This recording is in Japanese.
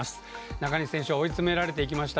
中西選手は追い詰められていきました。